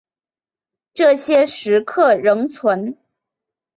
这些石刻仍存。